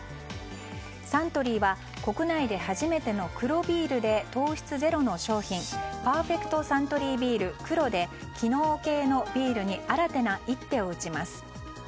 サントリーは国内で初めての黒ビールで糖質ゼロの商品パーフェクトサントリービール黒で機能系のビールに新たな一手を打ちます。